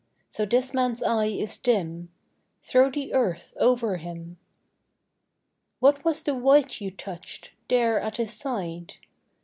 So this man's eye is dim; Throw the earth over him. What was the white you touched, There at his side?